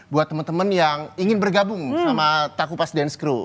buat temen temen yang ingin bergabung sama taku pas dance crew